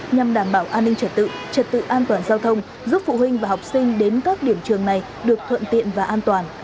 nhằm đảm bảo an ninh trật tự trật tự an toàn giao thông giúp phụ huynh và học sinh đến các điểm trường này được thuận tiện và an toàn